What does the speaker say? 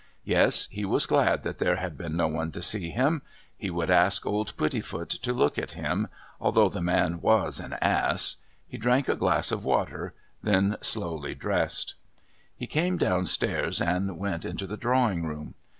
Yes, he was glad that there had been no one to see him. He would ask old Puddifoot to look at him, although the man was an ass. He drank a glass of water, then slowly dressed. He came downstairs and went into the drawing room.